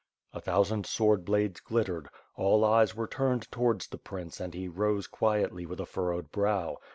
A thousand sword blades glittered; all eyes ./ere turned towards the prince and he rose quietly with a furrowed brow.